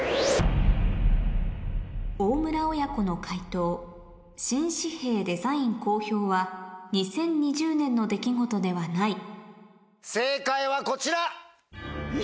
大村親子の解答新紙幣デザイン公表は２０２０年の出来事ではない正解はこちら！